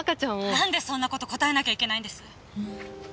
なんでそんな事答えなきゃいけないんです？